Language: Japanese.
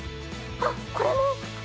あっこれも！